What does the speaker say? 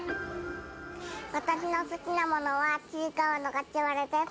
私の好きなものはちいかわのハチワレです。